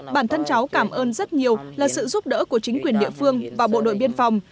bản thân cháu cảm ơn rất nhiều là sự giúp đỡ của chính quyền địa phương và bộ đội biên phòng